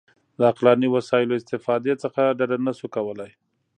د عقلاني وسایلو استفادې څخه ډډه نه شو کولای.